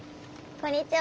こんにちは。